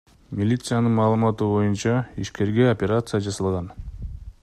Милициянын маалыматы боюнча, ишкерге операция жасалган.